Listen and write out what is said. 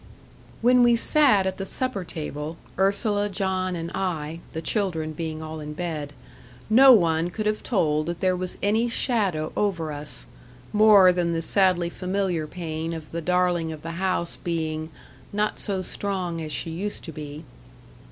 When we sat at the supper table Ursula, John, and I, the children being all in bed no one could have told that there was any shadow over us, more than the sadly familiar pain of the darling of the house being "not so strong as she used to be."